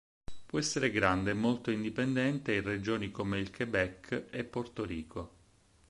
Può essere grande e molto indipendente in regioni come il Québec e Porto Rico.